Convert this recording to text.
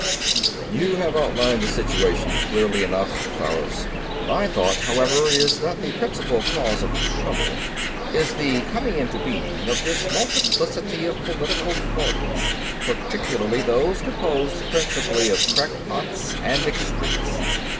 "You have outlined the situation clearly enough, Faros. My thought, however, is that the principal cause of the trouble is the coming into being of this multiplicity of political parties, particularly those composed principally of crackpots and extremists.